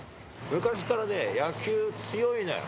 昔からね、野球強いのよ。